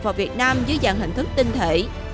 vào việt nam dưới dạng hình thức tinh thể